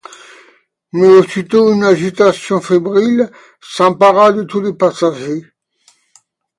Mais aussitôt une agitation fébrile s’empara de tous les passagers.